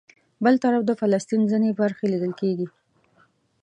بل طرف د فلسطین ځینې برخې لیدل کېږي.